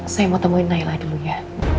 saya mau temuin naila dulu ya